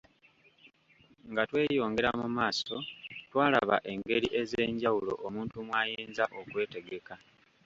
Nga tweyongera mu maaso twalaba engeri ez’enjawulo omuntu mw’ayinza okwetegeka.